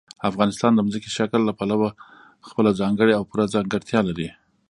افغانستان د ځمکني شکل له پلوه خپله ځانګړې او پوره ځانګړتیا لري.